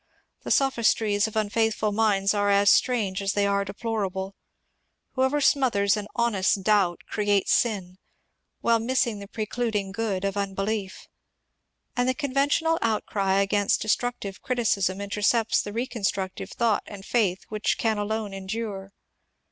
The sophistries of unfaithful minds are as strange as they are deplor able. Whoever smothers an ^^ honest doubt " creates the sin, while missing the preluding good, of unbelief. And the con ventional outcry against ^^ destructive criticism " intercepts the reconstructive thought and faith which can ak>ne endure.